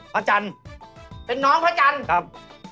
พระจันทร์เป็นน้องพระจันทร์ครับ